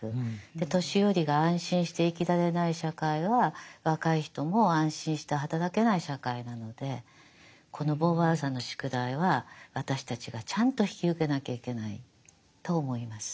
年寄りが安心して生きられない社会は若い人も安心して働けない社会なのでこのボーヴォワールさんの宿題は私たちがちゃんと引き受けなきゃいけないと思います。